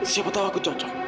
siapa tahu aku cocok